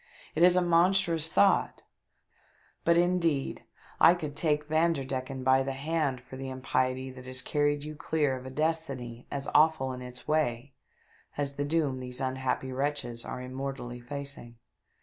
It is a monstrous thought — but, indeed, I could take Vanderdecken by the hand for the impiety that has carried you clear of a destiny as awful in its way as the doom these unhappy wretches are immortally facing."